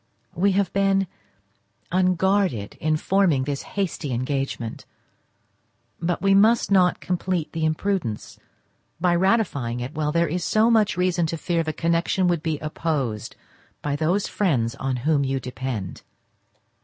We have been unguarded in forming this hasty engagement, but we must not complete the imprudence by ratifying it while there is so much reason to fear the connection would be opposed by those friends on whom you depend.